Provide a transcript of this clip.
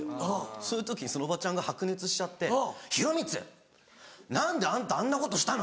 そういう時そのおばちゃんが白熱しちゃって「宏光何であんたあんなことしたの？